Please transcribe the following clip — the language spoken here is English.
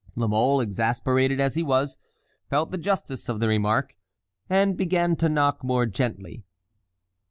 La Mole, exasperated as he was, felt the justice of the remark, and began to knock more gently.